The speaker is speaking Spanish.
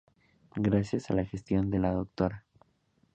Gracias a la gestión de la Dra.